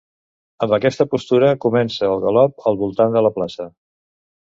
Amb aquesta postura comença el galop al voltant de la plaça.